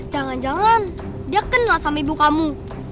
jangan jangan dia kenal sama ibu kamu